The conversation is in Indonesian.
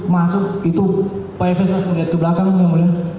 masuk itu pak fs langsung ke belakang kamu ya